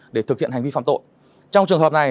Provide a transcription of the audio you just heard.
để thực hiện hành vi phạm tội trong trường hợp này